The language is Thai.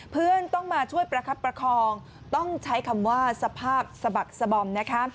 เพื่อนต้องมาช่วยประคับประคองต้องใช้คำว่าสภาพสะบักสบอมนะคะ